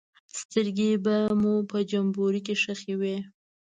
سترګې به مو په جمبوري کې ښخې وې.